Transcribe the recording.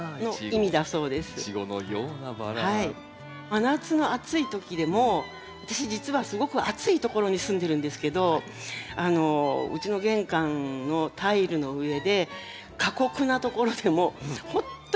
真夏の暑い時でも私実はすごく暑いところに住んでるんですけどうちの玄関のタイルの上で過酷なところでもほんとに繰り返しよく咲いてくれる。